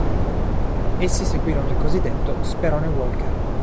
Essi seguirono il cosiddetto "Sperone Walker".